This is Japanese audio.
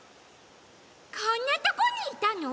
こんなとこにいたの？